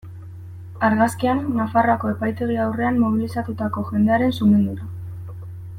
Argazkian, Nafarroako epaitegi aurrean mobilizatutako jendearen sumindura.